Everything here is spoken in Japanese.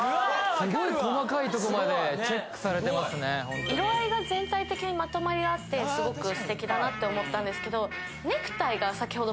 すごい細かいとこまでチェックされてますね色合いが全体的にまとまりがあってすごくステキだなって思ったんですけどネクタイが先ほど